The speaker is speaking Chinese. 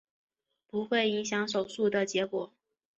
不会影响手术的结果。